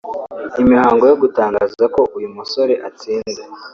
Imihango yo gutangaza ko uyu musore atsinze